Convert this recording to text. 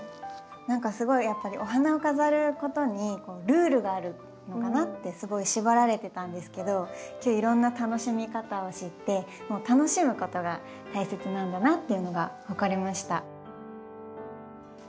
何かすごいやっぱりお花を飾ることにルールがあるのかなってすごい縛られてたんですけど今日いろんな楽しみ方を知って楽しむことが大切なんだなっていうのが分かりました。